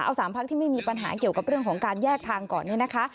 เอา๓พักที่ไม่มีปัญหาเกี่ยวกับเรื่องของการแยกทางก่อนเนี่ยนะคะ